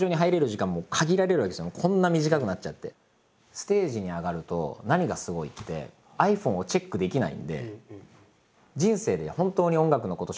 ステージに上がると何がすごいってｉＰｈｏｎｅをチェックできないんで。